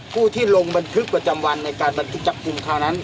ผู้ที่ลงประจำวันในการบันทึกจับกลุ่มทางนั้น